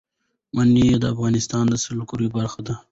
منی د افغانستان د سیلګرۍ برخه ده.